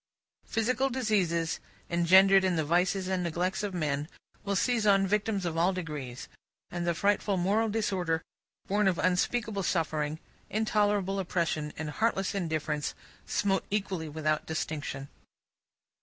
Physical diseases, engendered in the vices and neglects of men, will seize on victims of all degrees; and the frightful moral disorder, born of unspeakable suffering, intolerable oppression, and heartless indifference, smote equally without distinction.